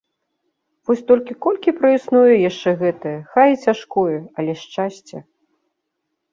Вось толькі колькі праіснуе яшчэ гэтае, хай і цяжкое, але шчасце?